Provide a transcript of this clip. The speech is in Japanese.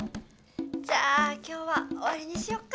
じゃあ今日はおわりにしよっか。